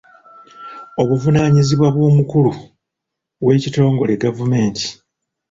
Obuvunaanyizibwa bw'omukulu w'ekitongole gavumenti.